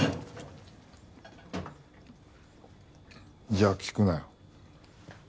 じゃあ聞くなよ。